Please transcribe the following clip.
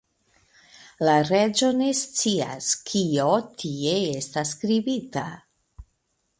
La reĝo ne scias, kio tie estas skribita!